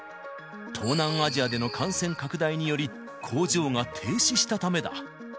東南アジアでの感染拡大により、工場が停止したためだ。